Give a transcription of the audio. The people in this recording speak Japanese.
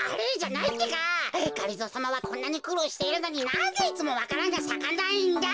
がりぞーさまはこんなにくろうしているのになぜいつもわか蘭がさかないんだ。